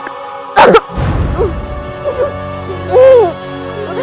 nah nyetuh sesame